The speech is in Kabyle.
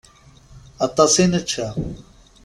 Aṭas i nečča.